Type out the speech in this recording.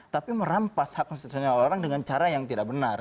tapi merampas hak konstitusional orang dengan cara yang tidak benar